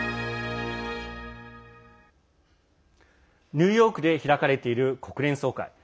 ニューヨークで開かれている国連総会。